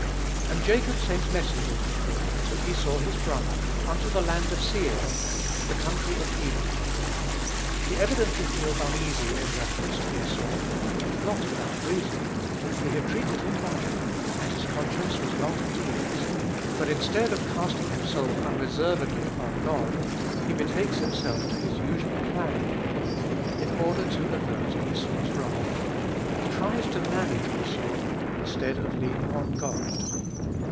"And Jacob sent messengers before him to Esau his brother, unto the land of Seir, the country of Edom." He evidently feels uneasy in reference to Esau, and not without reason. He had treated him badly, and his conscience was not at ease; but instead of casting himself unreservedly upon God, he betakes himself to his usual planning again, in order to avert Esau's wrath. He tries to manage Esau, instead of leaning on God.